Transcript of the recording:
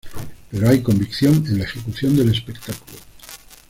Pero hay convicción en la ejecución del espectáculo.